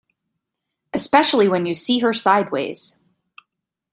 Especially when you see her sideways.